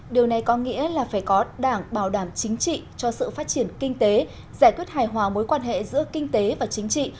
điều này có nghĩa là phải có đảng bảo đảm chính trị cho sự phát triển kinh tế giải quyết hài hòa mối quan hệ giữa kinh tế và chính trị